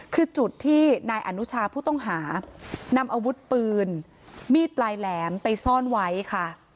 คือจุดที่นายอนุชาผู้ต้องหานำอาวุธปืนมีดปลายแหลมไปซ่อนไว้ค่ะ